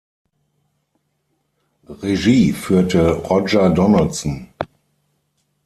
Regie führte Roger Donaldson.